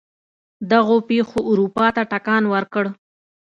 دغو پېښو اروپا ته ټکان ورکړ.